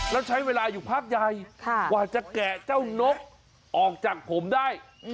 แล้วใช้เวลาอยู่พักใหญ่กว่าจะแกะเจ้านกออกจากผมได้